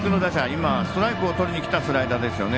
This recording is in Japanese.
今、ストライクとりにきたスライダーですよね。